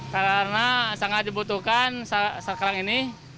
karena sangat dibutuhkan sekarang ini